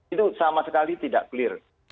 itu sama sekali tidak clear